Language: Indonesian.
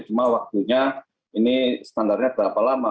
cuma waktunya ini standarnya berapa lama